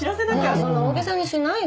そんな大げさにしないでよ。